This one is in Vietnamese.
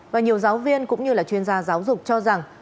và nhiều giáo viên cũng như là chuyên gia giáo dục cho rằng